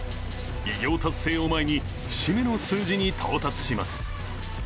偉業達成を前に節目の数字に到達します。